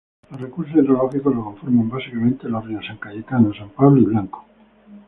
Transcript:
Los recursos hidrológicos lo conforman básicamente, los ríos San Cayetano, San Pablo y Blanco.